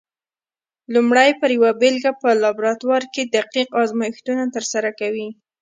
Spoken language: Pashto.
لومړی پر یوه بېلګه په لابراتوار کې دقیق ازمېښتونه ترسره کوي؟